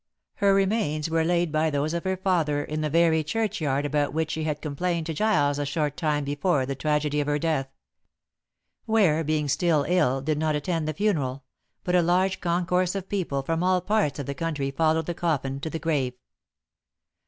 Her remains were laid by those of her father in the very churchyard about which she had complained to Giles a short time before the tragedy of her death. Ware being still ill, did not attend the funeral, but a large concourse of people from all parts of the county followed the coffin to the grave.